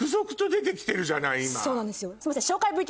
そうなんですよ。